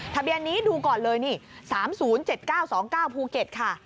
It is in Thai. ทะเบียนนี้ดูก่อนเลยนี่๓๐๗๙๒๙ภูเก็ตค่ะ